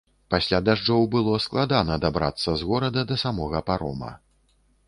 Пасля дажджоў было складана дабрацца з горада да самога парома.